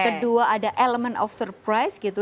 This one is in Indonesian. kedua ada elemen of surprise gitu